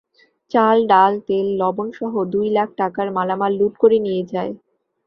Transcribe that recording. চাল, ডাল, তেল, লবণসহ দুই লাখ টাকার মালামাল লুট করে নিয়ে যায়।